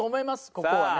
ここはね。